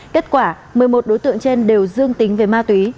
kết quả một mươi một đối tượng trên đều dương tính với ma túy